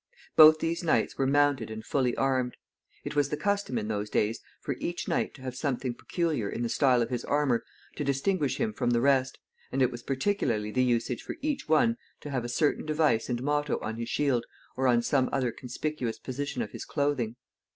Both these knights were mounted and fully armed. It was the custom in those days for each knight to have something peculiar in the style of his armor to distinguish him from the rest, and it was particularly the usage for each one to have a certain device and motto on his shield, or on some other conspicuous position of his clothing.